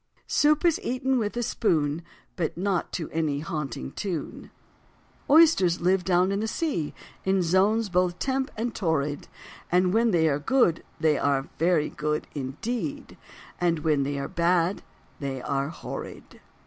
Soup is eaten with a spoon But not to any haunting tune. Oysters live down in the sea In zones both temp. and torrid, And when they are good they are very good indeed, And when they are bad they are horrid.